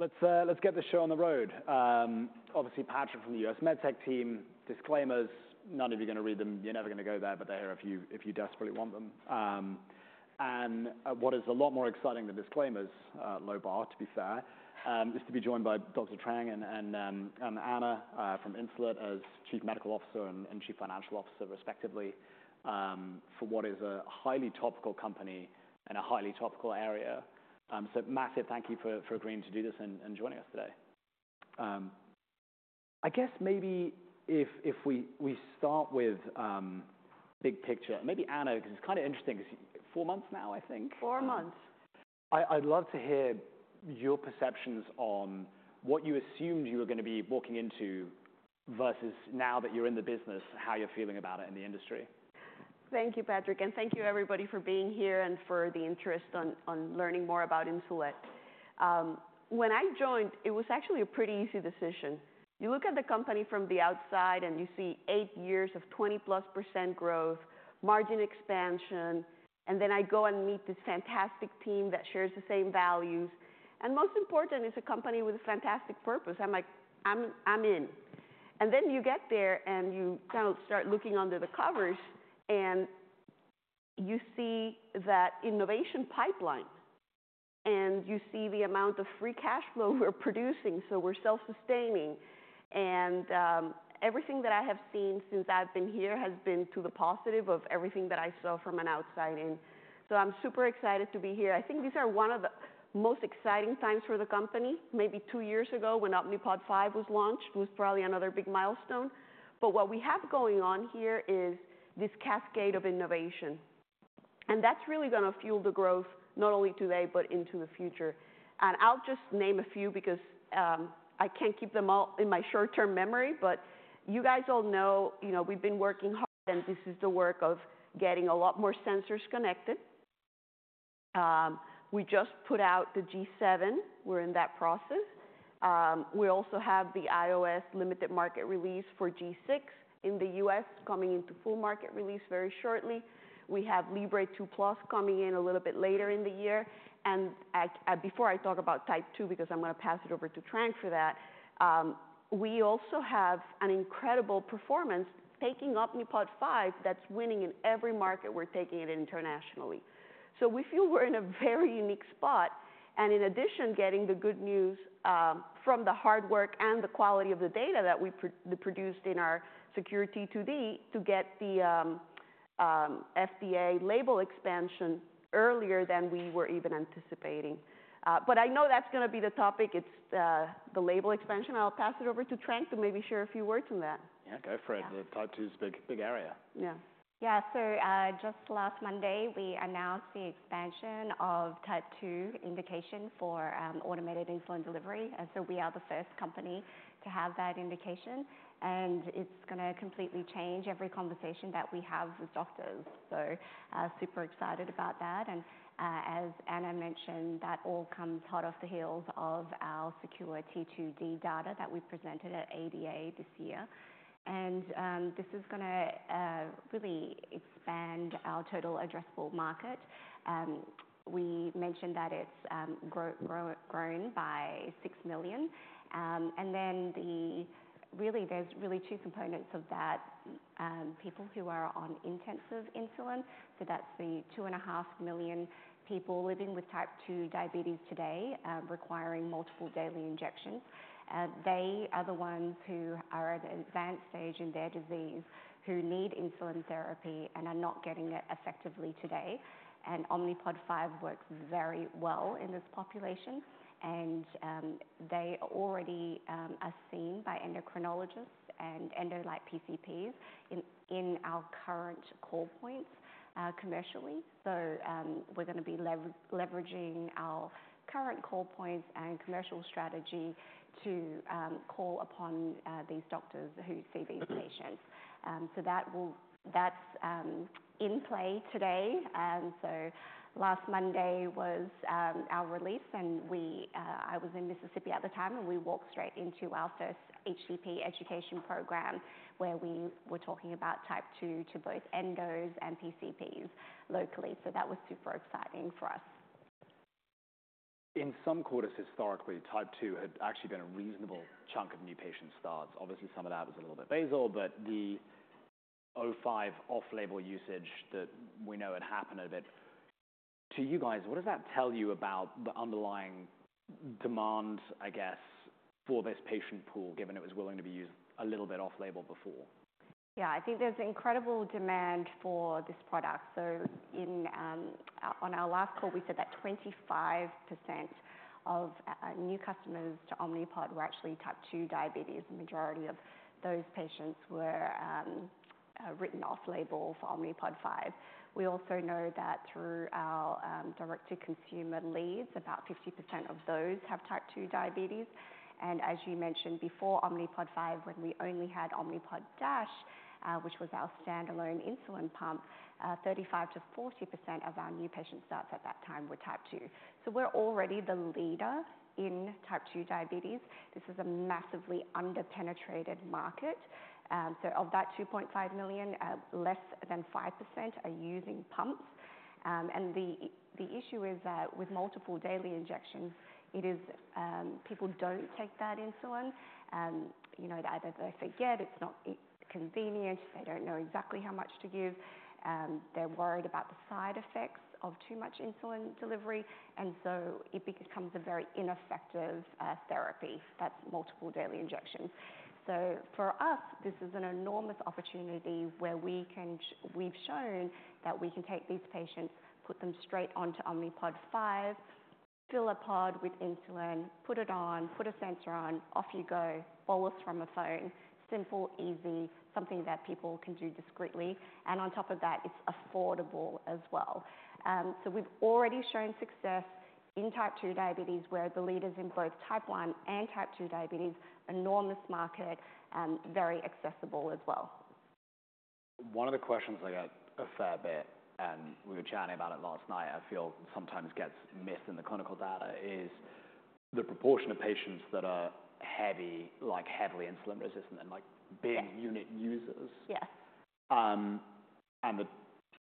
All righty, let's get this show on the road. Obviously, Patrick from the US MedTech team. Disclaimers, none of you are gonna read them. You're never gonna go there, but they're there if you desperately want them. And what is a lot more exciting, the disclaimers, low bar, to be fair, is to be joined by Dr. Trang and Ana from Insulet, as Chief Medical Officer and Chief Financial Officer respectively, for what is a highly topical company and a highly topical area. So massive thank you for agreeing to do this and joining us today. I guess maybe if we start with big picture, maybe Ana, because it's kind of interesting, four months now, I think? Four months. I'd love to hear your perceptions on what you assumed you were gonna be walking into, versus now that you're in the business, how you're feeling about it in the industry. Thank you, Patrick, and thank you, everybody, for being here and for the interest in learning more about Insulet. When I joined, it was actually a pretty easy decision. You look at the company from the outside, and you see eight years of 20+% growth, margin expansion, and then I go and meet this fantastic team that shares the same values, and most important, it's a company with a fantastic purpose. I'm like, "I'm in," and then you get there, and you kind of start looking under the covers, and you see that innovation pipeline, and you see the amount of free cash flow we're producing, so we're self-sustaining, and everything that I have seen since I've been here has been to the positive of everything that I saw from an outside in, so I'm super excited to be here. I think these are one of the most exciting times for the company. Maybe two years ago, when Omnipod 5 was launched, was probably another big milestone. But what we have going on here is this cascade of innovation, and that's really gonna fuel the growth, not only today, but into the future. And I'll just name a few because, I can't keep them all in my short-term memory, but you guys all know, you know, we've been working hard, and this is the work of getting a lot more sensors connected. We just put out the G7. We're in that process. We also have the iOS limited market release for G6 in the U.S., coming into full market release very shortly. We have Libre 2 Plus coming in a little bit later in the year. Before I talk about Type 2, because I'm gonna pass it over to Trang for that, we also have an incredible performance taking Omnipod 5, that's winning in every market we're taking it internationally. So we feel we're in a very unique spot, and in addition, getting the good news from the hard work and the quality of the data that we produced in our SECURE-T2D to get the FDA label expansion earlier than we were even anticipating. But I know that's gonna be the topic. It's the label expansion. I'll pass it over to Trang to maybe share a few words on that. Yeah, go for it. Type 2's a big, big area. Yeah. Just last Monday, we announced the expansion of Type 2 indication for automated insulin delivery, and so we are the first company to have that indication, and it's gonna completely change every conversation that we have with doctors. Super excited about that, and as Ana mentioned, that all comes hot off the heels of our SECURE-T2D data that we presented at ADA this year. This is gonna really expand our total addressable market. We mentioned that it's grown by 6 million. Really, there are really two components of that, people who are on intensive insulin, so that's the two and a half million people living with Type 2 diabetes today, requiring multiple daily injections. They are the ones who are at an advanced stage in their disease, who need insulin therapy and are not getting it effectively today, and Omnipod 5 works very well in this population, and they already are seen by endocrinologists and endo-like PCPs in our current core points commercially, so we're gonna be leveraging our current core points and commercial strategy to call upon these doctors who see these patients. That's in play today, and so last Monday was our release, and I was in Mississippi at the time, and we walked straight into our first HCP education program, where we were talking about Type 2 to both endos and PCPs locally, so that was super exciting for us. In some quarters, historically, Type 2 had actually been a reasonable chunk of new patient starts. Obviously, some of that was a little bit basal, but the Omnipod 5 off-label usage that we know had happened a bit. To you guys, what does that tell you about the underlying demand, I guess, for this patient pool, given it was willing to be used a little bit off label before? Yeah, I think there's incredible demand for this product. So on our last call, we said that 25% of new customers to Omnipod were actually Type 2 diabetes. The majority of those patients were written off label for Omnipod 5. We also know that through our direct-to-consumer leads, about 50% of those have Type 2 diabetes. And as you mentioned before, Omnipod 5, when we only had Omnipod DASH, which was our standalone insulin pump, 35%-40% of our new patient starts at that time were Type 2. So we're already the leader in Type 2 diabetes. This is a massively under-penetrated market. So of that 2.5 million, less than 5% are using pumps. And the issue is that with multiple daily injections, it is people don't take that insulin. You know, either they forget, it's not convenient, they don't know exactly how much to give, they're worried about the side effects of too much insulin delivery, and so it becomes a very ineffective therapy. That's multiple daily injections. So for us, this is an enormous opportunity where we've shown that we can take these patients, put them straight onto Omnipod 5, fill a pod with insulin, put it on, put a sensor on, off you go, bolus from a phone. Simple, easy, something that people can do discreetly, and on top of that, it's affordable as well. So we've already shown success in Type 2 diabetes, we're the leaders in both Type 1 and Type 2 diabetes, enormous market, very accessible as well. One of the questions I get a fair bit, and we were chatting about it last night, I feel sometimes gets missed in the clinical data, is the proportion of patients that are heavy, like heavily insulin resistant and like big- Yes. -unit users. Yes. And the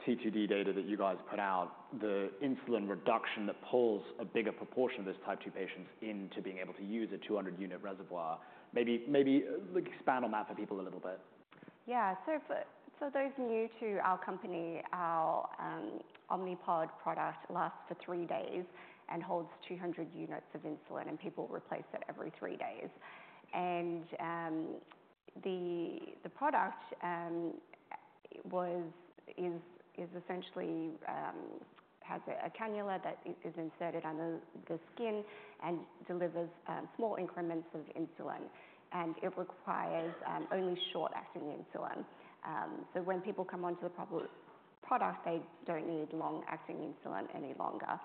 T2D data that you guys put out, the insulin reduction that pulls a bigger proportion of those type two patients into being able to use a 200-unit reservoir. Maybe, maybe like expand on that for people a little bit. Yeah. So for those new to our company, our Omnipod product lasts for three days and holds 200 units of insulin, and people replace it every three days. And the product is essentially has a cannula that is inserted under the skin and delivers small increments of insulin, and it requires only short-acting insulin. So when people come onto the product, they don't need long-acting insulin any longer.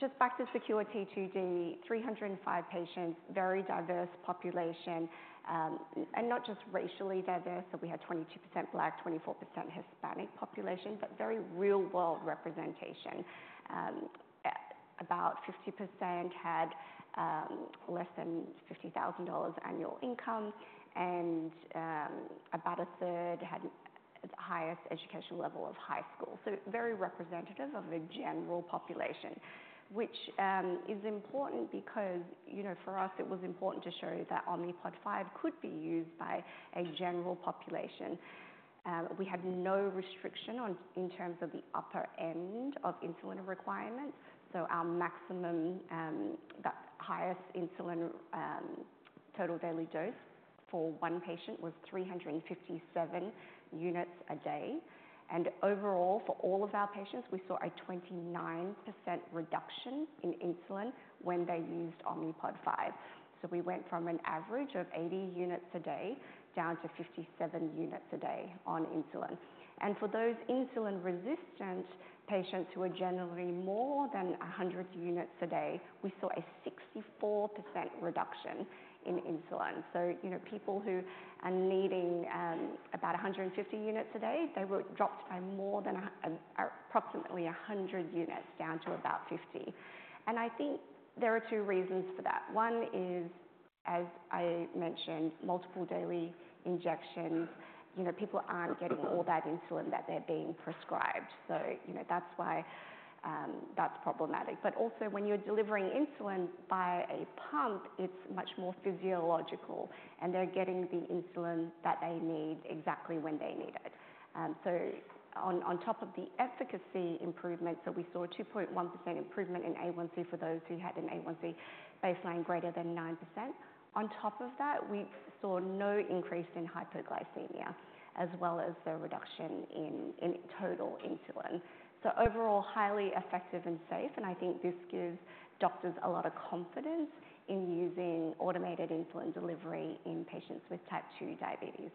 Just back to SECURE-T2D, 305 patients, very diverse population, and not just racially diverse. We had 22% Black, 24% Hispanic population, but very real-world representation. About 50% had less than $50,000 annual income, and about a third had the highest education level of high school. So very representative of a general population, which is important because, you know, for us, it was important to show that Omnipod 5 could be used by a general population. We had no restriction on, in terms of the upper end of insulin requirements, so our maximum, the highest insulin, total daily dose for one patient was 357 units a day. And overall, for all of our patients, we saw a 29% reduction in insulin when they used Omnipod 5. So we went from an average of 80 units a day down to 57 units a day on insulin. And for those insulin resistant patients who were generally more than 100 units a day, we saw a 64% reduction in insulin. So, you know, people who are needing about 150 units a day, they were dropped by more than approximately 100 units down to about 50. And I think there are two reasons for that. One is, as I mentioned, multiple daily injections. You know, people aren't getting all that insulin that they're being prescribed, so, you know, that's why that's problematic. But also, when you're delivering insulin via a pump, it's much more physiological, and they're getting the insulin that they need exactly when they need it. So on top of the efficacy improvements that we saw, a 2.1% improvement in A1C for those who had an A1C baseline greater than 9%. On top of that, we saw no increase in hypoglycemia, as well as the reduction in total insulin. So overall, highly effective and safe, and I think this gives doctors a lot of confidence in using automated insulin delivery in patients with Type 2 diabetes.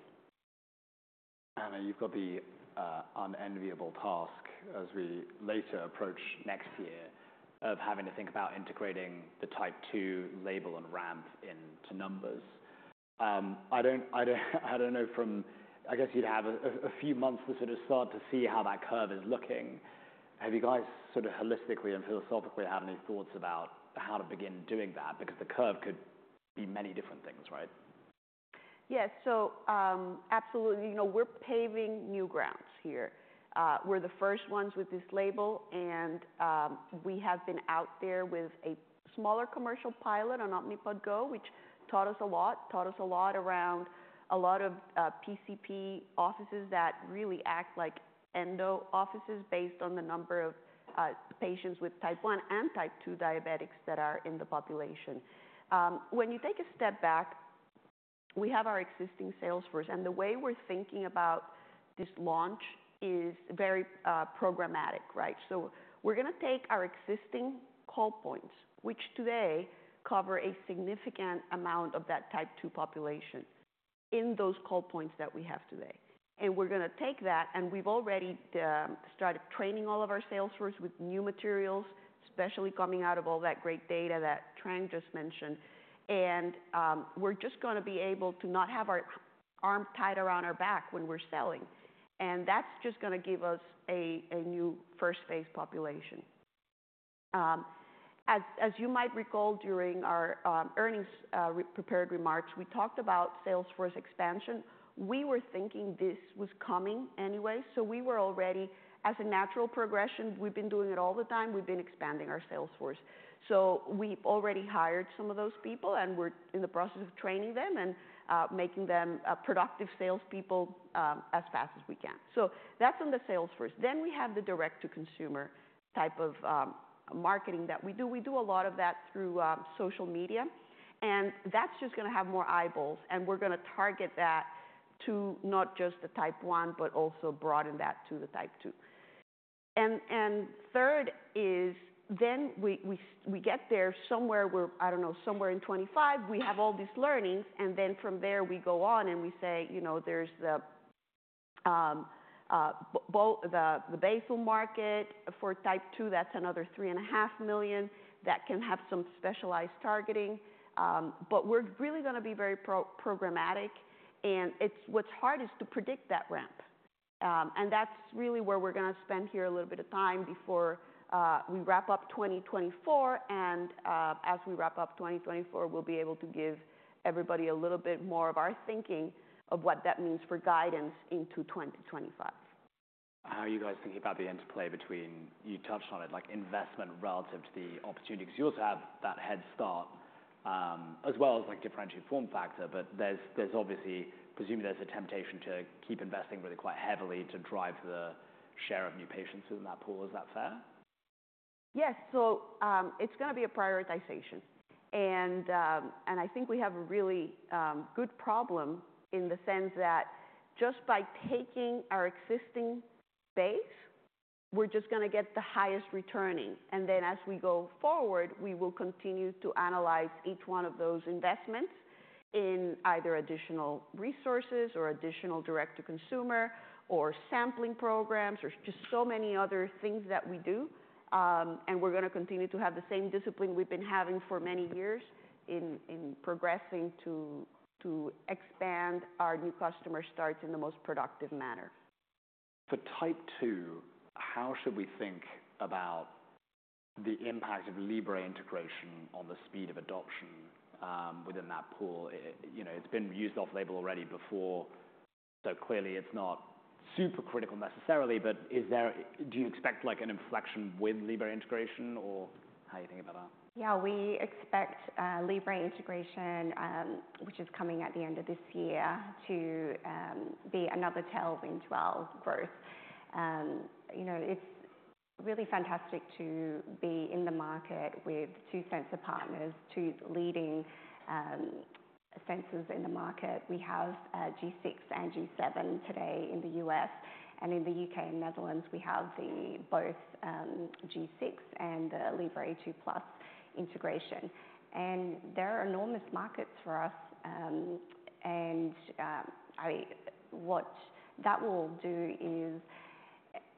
Ana, you've got the unenviable task as we later approach next year of having to think about integrating the Type 2 label and ramp into numbers. I don't know from... I guess you'd have a few months to sort of start to see how that curve is looking. Have you guys sort of holistically and philosophically had any thoughts about how to begin doing that? Because the curve could be many different things, right? Yes. So, absolutely, you know, we're paving new grounds here. We're the first ones with this label, and we have been out there with a smaller commercial pilot on Omnipod GO, which taught us a lot around a lot of PCP offices that really act like endo offices based on the number of patients with Type 1 and type two diabetes that are in the population. When you take a step back, we have our existing sales force, and the way we're thinking about this launch is very programmatic, right? So we're gonna take our existing call points, which today cover a significant amount of that type two population, in those call points that we have today. And we're gonna take that, and we've already started training all of our sales force with new materials, especially coming out of all that great data that Trang just mentioned. And we're just gonna be able to not have our arm tied around our back when we're selling, and that's just gonna give us a new first phase population. As you might recall, during our earnings prepared remarks, we talked about sales force expansion. We were thinking this was coming anyway, so as a natural progression, we've been doing it all the time, we've been expanding our sales force. So we've already hired some of those people, and we're in the process of training them and making them productive salespeople as fast as we can. So that's on the sales force. Then we have the direct-to-consumer type of marketing that we do. We do a lot of that through social media, and that's just gonna have more eyeballs, and we're gonna target that to not just the Type 1, but also broaden that to the Type 2. And third is then we get there somewhere where, I don't know, somewhere in twenty twenty-five, we have all these learnings, and then from there we go on and we say: "You know, there's the both the basal market. For Type 2, that's another 3.5 million that can have some specialized targeting." But we're really gonna be very programmatic, and it's. What's hard is to predict that ramp. And that's really where we're gonna spend here a little bit of time before we wrap up twenty twenty-four. And, as we wrap up 2024, we'll be able to give everybody a little bit more of our thinking of what that means for guidance into 2025. How are you guys thinking about the interplay between, you touched on it, like investment relative to the opportunity? Because you also have that head start, as well as like differentiated form factor. But there's obviously... Presumably, there's a temptation to keep investing really quite heavily to drive the share of new patients within that pool. Is that fair? Yes. So, it's gonna be a prioritization. And I think we have a really good problem in the sense that just by taking our existing base, we're just gonna get the highest returning. And then, as we go forward, we will continue to analyze each one of those investments in either additional resources or additional direct to consumer or sampling programs. There's just so many other things that we do. And we're gonna continue to have the same discipline we've been having for many years in progressing to expand our new customer starts in the most productive manner. For Type 2, how should we think about the impact of Libre integration on the speed of adoption within that pool? You know, it's been used off label already before, so clearly it's not super critical necessarily. But is there? Do you expect, like, an inflection with Libre integration, or how you think about that? Yeah, we expect Libre integration, which is coming at the end of this year, to be another tailwind to our growth. You know, it's really fantastic to be in the market with two sensor partners, two leading sensors in the market. We have G6 and G7 today in the U.S., and in the U.K. and Netherlands, we have the both G6 and the Libre 2 Plus integration. And there are enormous markets for us, and what that will do is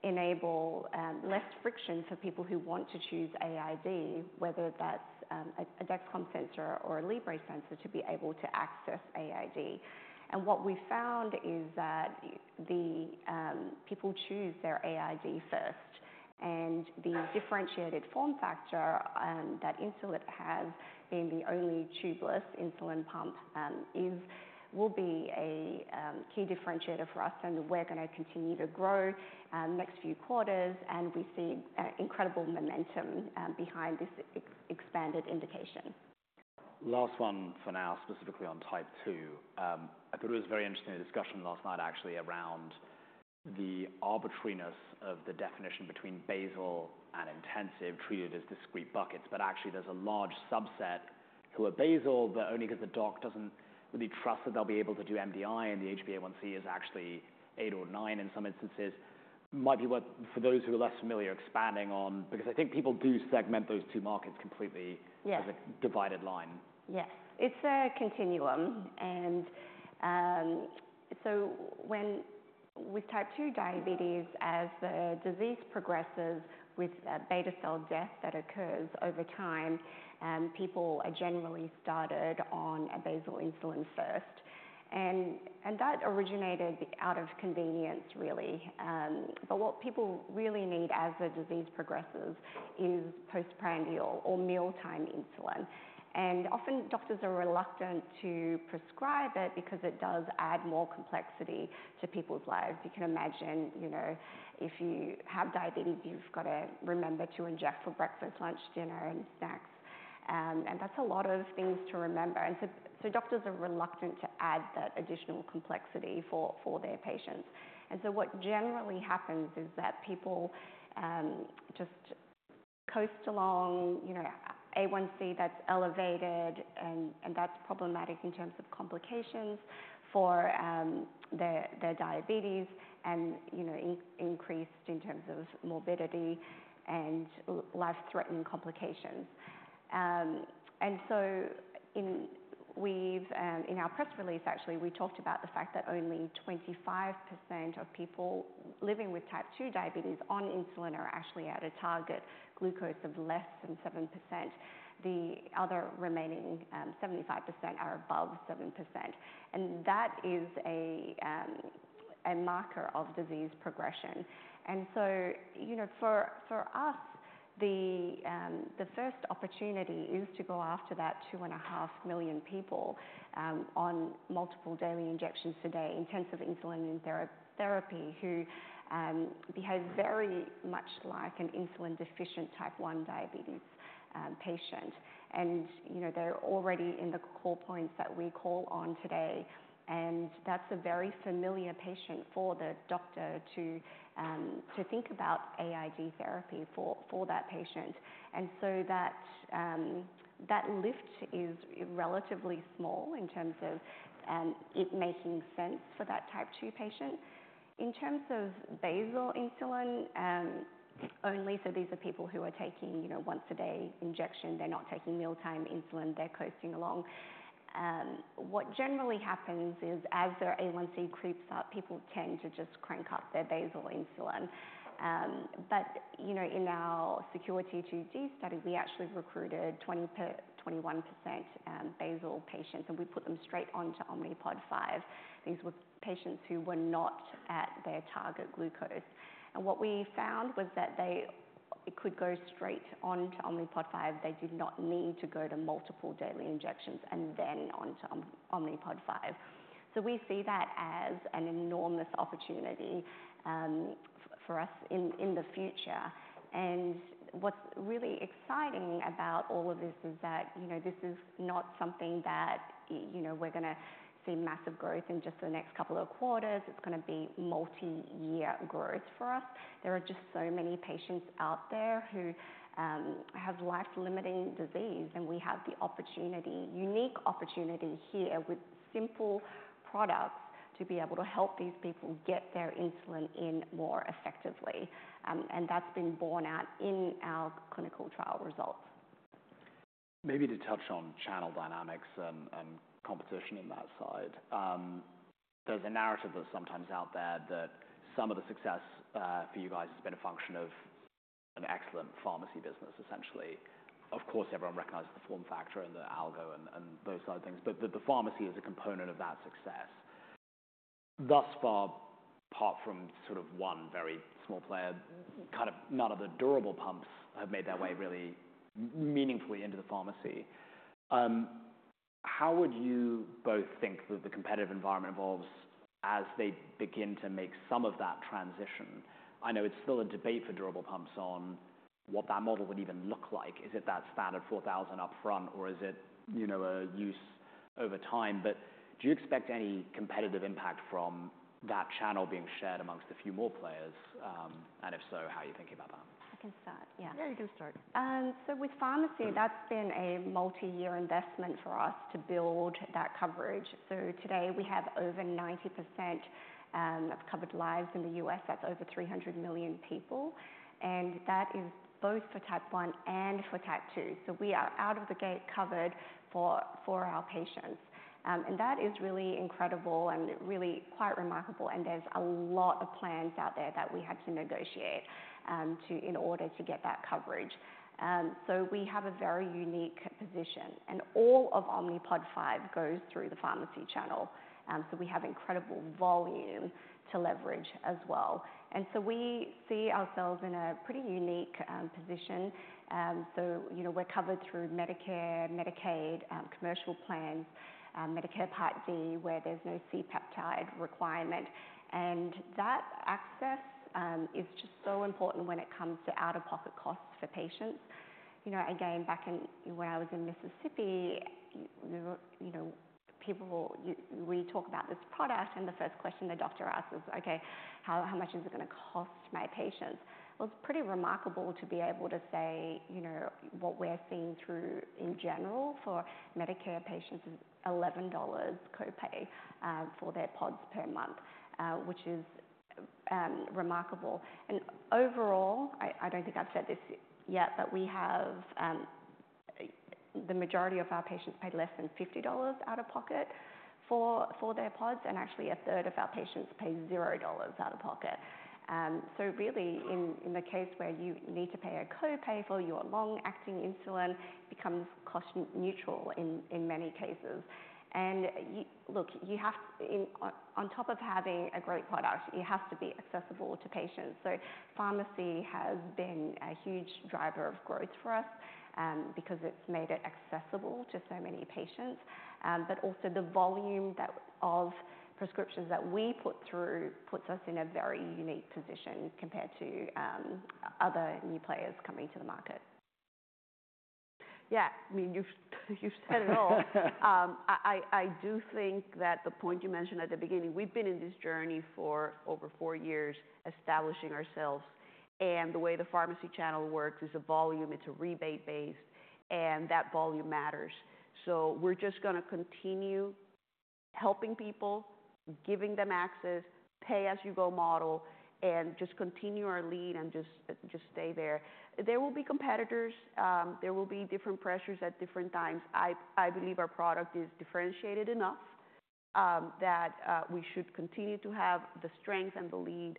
enable less friction for people who want to choose AID, whether that's a Dexcom sensor or a Libre sensor, to be able to access AID. What we found is that the people choose their AID first, and the differentiated form factor that Insulet has, being the only tubeless insulin pump, will be a key differentiator for us, and we're gonna continue to grow next few quarters, and we see incredible momentum behind this expanded indication. Last one for now, specifically on Type 2. I thought it was a very interesting discussion last night, actually, around the arbitrariness of the definition between basal and intensive treated as discrete buckets. But actually, there's a large subset who are basal, but only 'cause the doc doesn't really trust that they'll be able to do MDI, and the HbA1c is actually eight or nine in some instances. Might be what, for those who are less familiar, expanding on, because I think people do segment those two markets completely- Yes. as a divided line. Yes. It's a continuum, and so with Type 2 diabetes, as the disease progresses with beta cell death that occurs over time, people are generally started on a basal insulin first. And that originated out of convenience, really. But what people really need as the disease progresses is postprandial or mealtime insulin. And often, doctors are reluctant to prescribe it because it does add more complexity to people's lives. You can imagine, you know, if you have diabetes, you've got to remember to inject for breakfast, lunch, dinner, and snacks. And that's a lot of things to remember, and so doctors are reluctant to add that additional complexity for their patients. And so what generally happens is that people just coast along, you know, A1C that's elevated, and that's problematic in terms of complications for their diabetes and, you know, increased in terms of morbidity and life-threatening complications. And so we've, in our press release, actually, we talked about the fact that only 25% of people living with Type 2 diabetes on insulin are actually at a target glucose of less than 7%. The other remaining 75% are above 7%, and that is a marker of disease progression. And so, you know, for us, the first opportunity is to go after that 2.5 million people on multiple daily injections today, intensive insulin therapy, who behave very much like an insulin-deficient Type 1 diabetes patient. You know, they're already in the core points that we call on today, and that's a very familiar patient for the doctor to think about AID therapy for that patient. So that lift is relatively small in terms of it making sense for that Type 2 patient. In terms of basal insulin only, so these are people who are taking you know, once a day injection. They're not taking mealtime insulin, they're coasting along. What generally happens is, as their A1C creeps up, people tend to just crank up their basal insulin. You know, in our SECURE-T2D study, we actually recruited 21% basal patients, and we put them straight onto Omnipod 5. These were patients who were not at their target glucose. What we found was that they could go straight on to Omnipod 5. They did not need to go to multiple daily injections and then onto Omnipod 5. We see that as an enormous opportunity for us in the future. What's really exciting about all of this is that, you know, this is not something that, you know, we're going to see massive growth in just the next couple of quarters. It's going to be multi-year growth for us. There are just so many patients out there who have life-limiting disease, and we have the opportunity, unique opportunity here with simple products, to be able to help these people get their insulin in more effectively. And that's been borne out in our clinical trial results. Maybe to touch on channel dynamics and competition in that side. There's a narrative that's sometimes out there that some of the success for you guys has been a function of an excellent pharmacy business, essentially. Of course, everyone recognizes the form factor and the algo and those sort of things, but the pharmacy is a component of that success. Thus far, apart from sort of one very small player, kind of none of the durable pumps have made their way really meaningfully into the pharmacy. How would you both think that the competitive environment evolves as they begin to make some of that transition? I know it's still a debate for durable pumps on what that model would even look like. Is it that standard $4,000 upfront, or is it, you know, a use over time? But do you expect any competitive impact from that channel being shared among a few more players? And if so, how are you thinking about that? I can start. Yeah. Yeah, you can start. So with pharmacy, that's been a multi-year investment for us to build that coverage. So today we have over 90% of covered lives in the U.S. That's over 300 million people, and that is both for Type 1 and for Type 2. So we are out of the gate covered for our patients. And that is really incredible and really quite remarkable, and there's a lot of plans out there that we had to negotiate in order to get that coverage. So we have a very unique position, and all of Omnipod 5 goes through the pharmacy channel. So we have incredible volume to leverage as well. And so we see ourselves in a pretty unique position. So you know, we're covered through Medicare, Medicaid, commercial plans, Medicare Part D, where there's no C-peptide requirement. And that access is just so important when it comes to out-of-pocket costs for patients. You know, again, back in... when I was in Mississippi, you know, people we talk about this product, and the first question the doctor asks is: "Okay, how much is it going to cost my patients?" Well, it's pretty remarkable to be able to say, you know, what we're seeing through in general for Medicare patients is $11 copay for their pods per month, which is remarkable. And overall, I don't think I've said this yet, but we have the majority of our patients pay less than $50 out of pocket for their pods, and actually, a third of our patients pay $0 out of pocket. So really, in the case where you need to pay a copay for your long-acting insulin becomes cost-neutral in many cases. And, look, you have to, on top of having a great product, it has to be accessible to patients. So pharmacy has been a huge driver of growth for us, because it's made it accessible to so many patients. But also, the volume of prescriptions that we put through puts us in a very unique position compared to other new players coming to the market. Yeah, I mean, you've said it all. I do think that the point you mentioned at the beginning, we've been in this journey for over four years, establishing ourselves, and the way the pharmacy channel works is a volume, it's a rebate base, and that volume matters. So we're just going to continue helping people, giving them access, pay-as-you-go model, and just continue our lead and just stay there. There will be competitors, there will be different pressures at different times. I believe our product is differentiated enough, that we should continue to have the strength and the lead,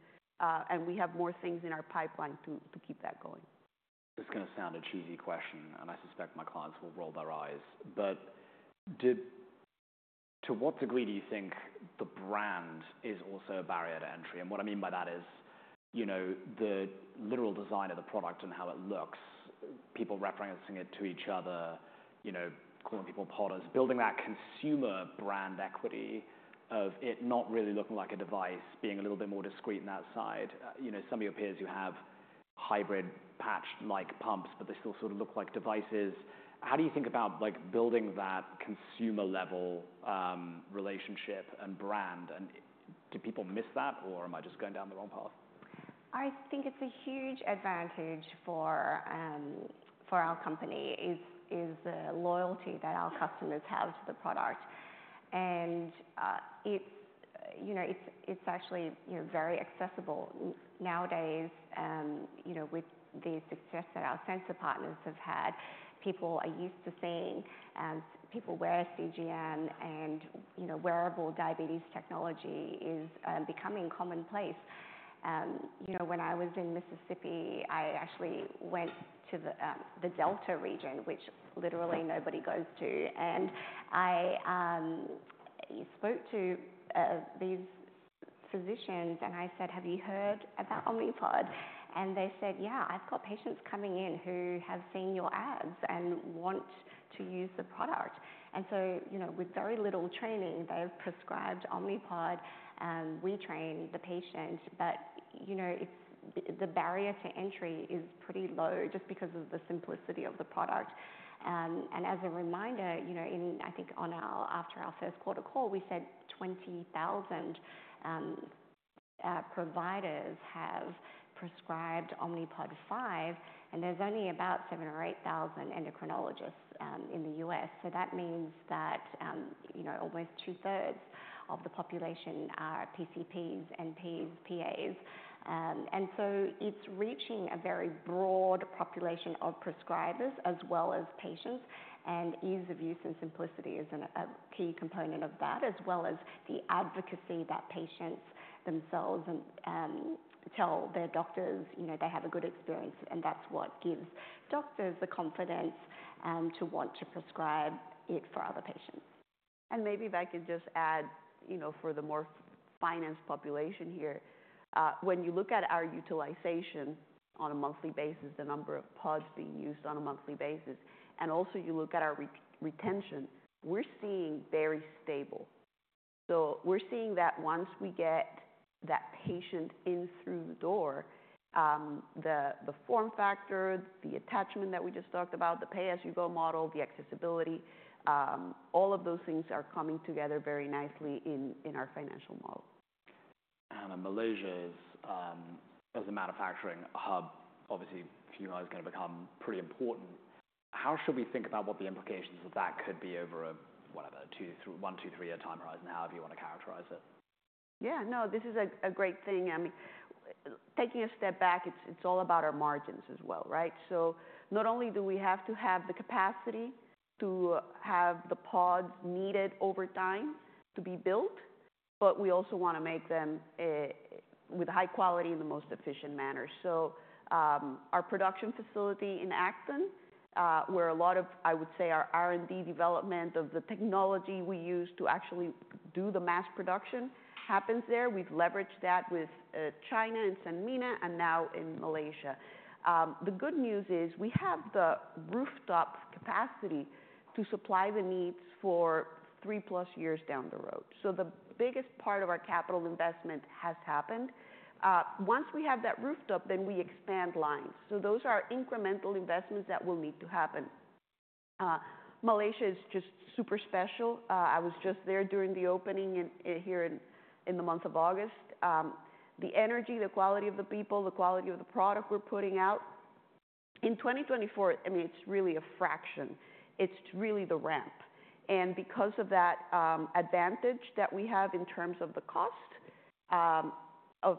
and we have more things in our pipeline to keep that going. This is going to sound like a cheesy question, and I suspect my clients will roll their eyes, but to what degree do you think the brand is also a barrier to entry? And what I mean by that is, you know, the literal design of the product and how it looks, people referencing it to each other, you know, calling people Podders. Building that consumer brand equity of it not really looking like a device, being a little bit more discreet on that side. You know, some of your peers who have hybrid patch-like pumps, but they still sort of look like devices. How do you think about, like, building that consumer level relationship and brand, and do people miss that, or am I just going down the wrong path? I think it's a huge advantage for our company, is the loyalty that our customers have to the product. And it's, you know, it's actually, you know, very accessible. Nowadays, you know, with the success that our sensor partners have had, people are used to seeing people wear CGM and, you know, wearable diabetes technology is becoming commonplace. You know, when I was in Mississippi, I actually went to the Delta region, which literally nobody goes to. And I spoke to these physicians and I said, "Have you heard about Omnipod?" And they said, "Yeah, I've got patients coming in who have seen your ads and want to use the product." And so, you know, with very little training, they've prescribed Omnipod, and we train the patient. But, you know, it's the barrier to entry is pretty low, just because of the simplicity of the product. And as a reminder, you know, I think after our first quarter call, we said 20,000 providers have prescribed Omnipod 5, and there's only about 7,000 or 8,000 endocrinologists in the U.S. So that means that, you know, almost two-thirds of the population are PCPs, NPs, PAs. And so it's reaching a very broad population of prescribers as well as patients, and ease of use and simplicity is a key component of that, as well as the advocacy that patients themselves tell their doctors, you know, they have a good experience, and that's what gives doctors the confidence to want to prescribe it for other patients. Maybe if I could just add, you know, for the more finance population here, when you look at our utilization on a monthly basis, the number of pods being used on a monthly basis, and also you look at our retention, we're seeing very stable. So we're seeing that once we get that patient in through the door, the form factor, the attachment that we just talked about, the pay-as-you-go model, the accessibility, all of those things are coming together very nicely in our financial model. Malaysia is as a manufacturing hub, obviously for you, going to become pretty important. How should we think about what the implications of that could be over a whatever one, two, three-year time horizon, however you want to characterize it? Yeah, no, this is a great thing. I mean, taking a step back, it's all about our margins as well, right? So not only do we have to have the capacity to have the pods needed over time to be built, but we also want to make them with high quality in the most efficient manner. So, our production facility in Acton, where a lot of, I would say, our R&D development of the technology we use to actually do the mass production happens there. We've leveraged that with China and Sanmina, and now in Malaysia. The good news is, we have the rooftop capacity to supply the needs for three-plus years down the road. So the biggest part of our capital investment has happened. Once we have that rooftop, then we expand lines. So those are incremental investments that will need to happen. Malaysia is just super special. I was just there during the opening in the month of August. The energy, the quality of the people, the quality of the product we're putting out, in 2024, I mean, it's really a fraction. It's really the ramp. And because of that, advantage that we have in terms of the cost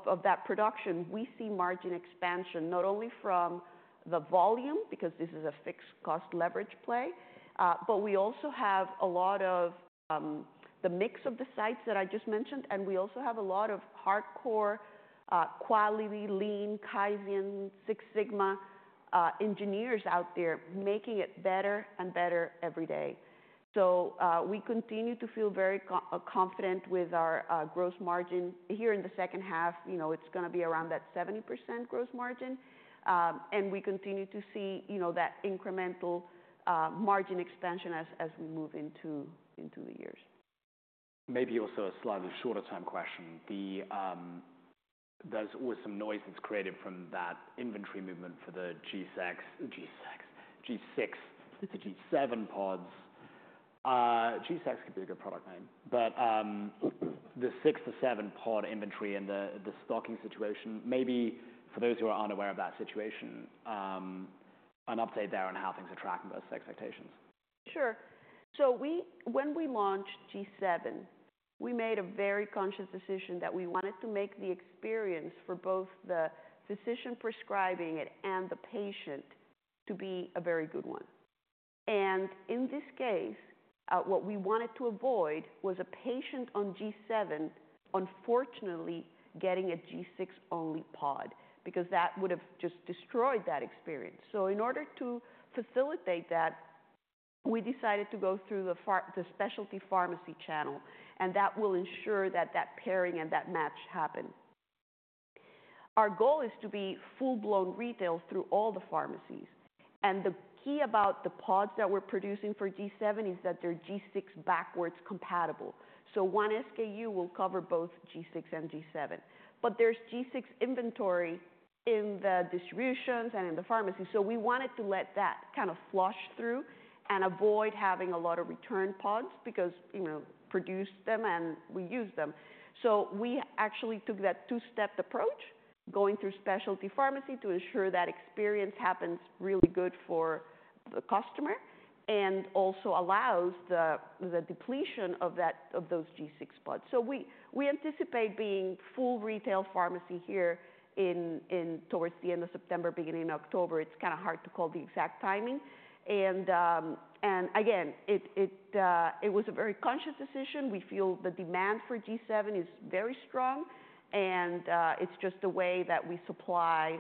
of that production, we see margin expansion, not only from the volume, because this is a fixed cost leverage play, but we also have a lot of the mix of the sites that I just mentioned, and we also have a lot of hardcore quality, lean, Kaizen, Six Sigma engineers out there making it better and better every day. We continue to feel very confident with our gross margin. Here in the second half, you know, it's gonna be around that 70% gross margin. And we continue to see, you know, that incremental margin expansion as we move into the years. Maybe also a slightly shorter time question. There's always some noise that's created from that inventory movement for the G6 to G7 pods. G6 could be a good product name, but, the six to seven pod inventory and the stocking situation, maybe for those who aren't aware of that situation, an update there on how things are tracking versus expectations. Sure, so when we launched G7, we made a very conscious decision that we wanted to make the experience for both the physician prescribing it and the patient to be a very good one, and in this case, what we wanted to avoid was a patient on G7 unfortunately getting a G6-only pod, because that would have just destroyed that experience, so in order to facilitate that, we decided to go through the specialty pharmacy channel, and that will ensure that that pairing and that match happen. Our goal is to be full-blown retail through all the pharmacies, and the key about the pods that we're producing for G7 is that they're G6 backwards compatible, so one SKU will cover both G6 and G7. But there's G6 inventory in the distributions and in the pharmacy, so we wanted to let that kind of flush through and avoid having a lot of return pods because, you know, produce them and we use them. So we actually took that two-step approach, going through specialty pharmacy to ensure that experience happens really good for the customer, and also allows the depletion of that of those G6 pods. So we anticipate being full retail pharmacy here in towards the end of September, beginning of October. It's kind of hard to call the exact timing. And again, it was a very conscious decision. We feel the demand for G7 is very strong, and it's just the way that we supply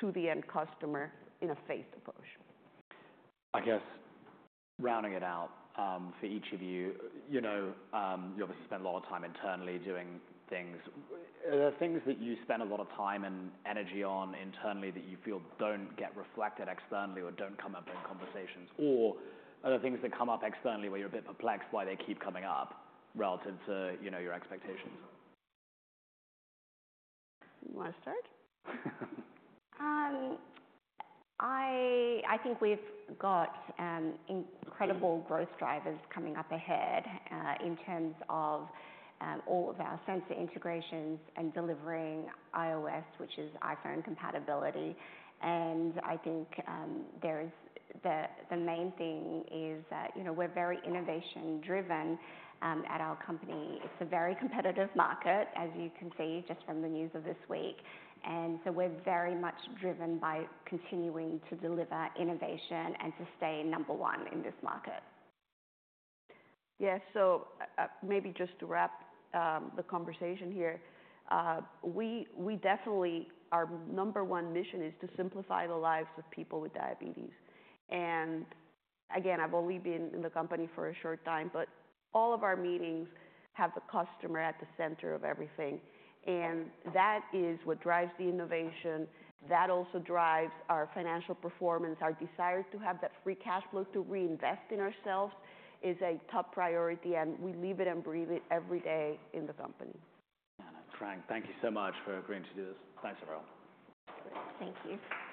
to the end customer in a phased approach. I guess, rounding it out, for each of you, you know, you obviously spend a lot of time internally doing things. Are there things that you spend a lot of time and energy on internally that you feel don't get reflected externally or don't come up in conversations? Or are there things that come up externally where you're a bit perplexed why they keep coming up, relative to, you know, your expectations? You want to start? I think we've got incredible growth drivers coming up ahead in terms of all of our sensor integrations and delivering iOS, which is iPhone compatibility. I think there is the main thing is that, you know, we're very innovation driven at our company. It's a very competitive market, as you can see just from the news of this week, and so we're very much driven by continuing to deliver innovation and to stay number one in this market. Yeah. So, maybe just to wrap the conversation here. We definitely, our number one mission is to simplify the lives of people with diabetes. And again, I've only been in the company for a short time, but all of our meetings have the customer at the center of everything, and that is what drives the innovation. That also drives our financial performance. Our desire to have that free cash flow to reinvest in ourselves is a top priority, and we live it and breathe it every day in the company. Ana, Trang, thank you so much for agreeing to do this. Thanks, everyone. Thank you.